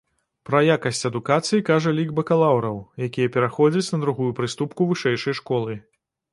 Пра якасць адукацыі кажа лік бакалаўраў, якія пераходзяць на другую прыступку вышэйшай школы.